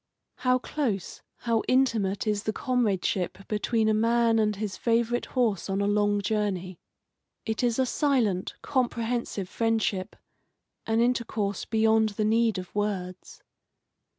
How close, how intimate is the comradeship between a man and his favourite horse on a long journey. It is a silent, comprehensive friendship, an intercourse beyond the need of words.